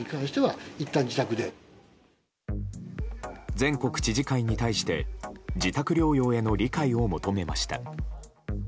全国知事会に対して自宅療養への理解を求めました。